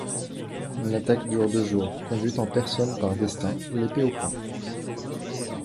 L’attaque dure deux jours, conduite en personne par d’Estaing, l'épée au point.